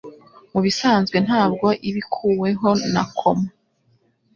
mubisanzwe ntabwo iba ikuweho na koma